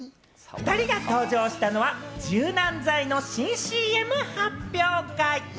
２人が登場したのは柔軟剤の新ＣＭ発表会。